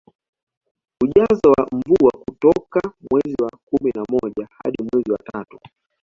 Ujazo wa mvua kutoka mwezi wa kumi na moja hadi mwezi wa tatu